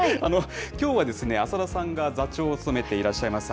きょうは浅田さんが座長を務めていらっしゃいます